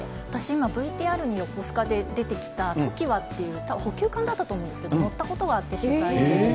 今、ＶＴＲに横須賀で出てきたときわっていう補給艦だったと思うんですけど、乗ったことがあって、取材で。